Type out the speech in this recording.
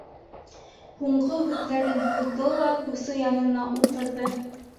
Һуңғы һүҙҙәрен һуҙҙы ла дуҫы янына ултырҙы.